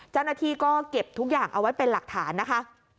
เจ้าหน้าที่ก็เก็บทุกอย่างเอาไว้เป็นหลักฐานนะคะ